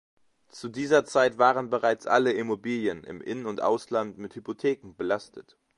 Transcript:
Zu dieser Zeit waren bereits alle Immobilien im In- und Ausland mit Hypotheken belastet.